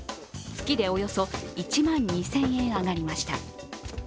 月でおよそ１万２０００円上がりました